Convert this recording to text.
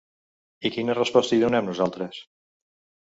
I quina resposta hi donem nosaltres?